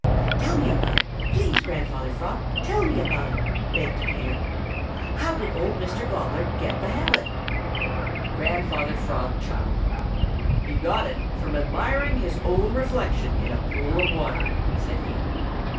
"Tell me about it. Please, Grandfather Frog, tell me about it," begged Peter. "How did Old Mr. Gobbler get the habit?" Grandfather Frog chuckled. "He got it from admiring his own reflection in a pool of water," said he.